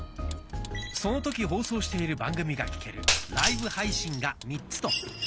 その時放送している番組が聴ける「ライブ配信」が３つと「聴き逃し配信」。